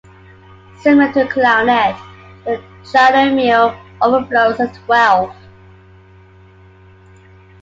Similar to the clarinet, the chalumeau overblows a twelfth.